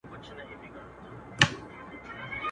چي بوډا رخصتېدی له هسپتاله.